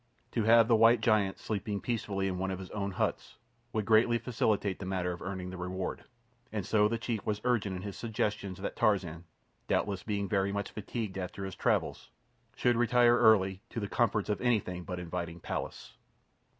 To have the white giant sleeping peacefully in one of his own huts would greatly facilitate the matter of earning the reward, and so the chief was urgent in his suggestions that Tarzan, doubtless being very much fatigued after his travels, should retire early to the comforts of the anything but inviting palace.